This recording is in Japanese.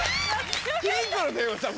ピンクの電話さん